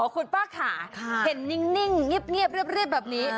คุณป้าขาเห็นนิ่งเงียบแบบนี้